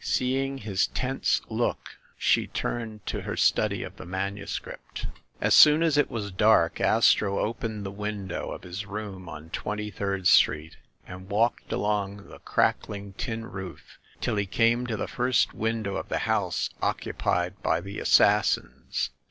Seeing his tense look, she turned to her study of the manuscript. As soon as it was dark, Astro opened the window of his room on Twenty third Street, and walked along the crackling tin roof till he came to the first window of the house occupied by the Assassins.